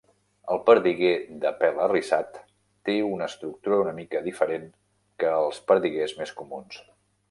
El perdiguer de pel arrissat te una estructura una mica diferent que els perdiguers més comuns.